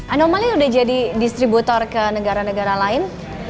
anomalnya udah jadi distributor ke negara negara lain